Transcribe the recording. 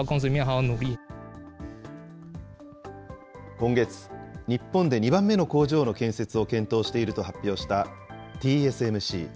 今月、日本で２番目の工場の建設を検討していると発表したＴＳＭＣ。